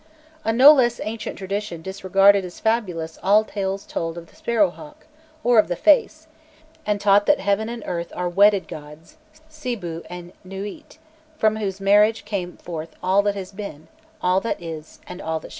A no less ancient tradition disregarded as fabulous all tales told of the sparrow hawk, or of the face, and taught that heaven and earth are wedded gods, Sibû, and Nûît, from whose marriage came forth all that has been, all that is, and all that shall be.